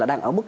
đang ở mức bốn